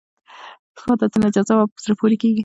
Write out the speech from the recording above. ښه عادتونه جذاب او په زړه پورې کړئ.